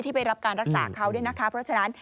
นียมรักษาเขาด้วยนะคะ